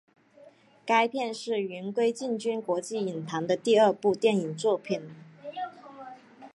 该片是元奎进军国际影坛的第二部电影作品。